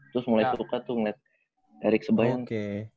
terus mulai suka tuh ngeliat ericksebayang